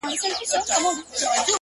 چي په سرو وینو کي اشنا وویني،